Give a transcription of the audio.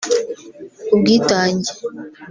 ubwitange